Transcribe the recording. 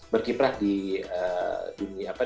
berkiprah di dunia apa